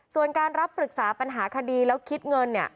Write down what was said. ส่วนการรับปรึกษาปัญหาคดีแล้วคิดเงินเนี่ย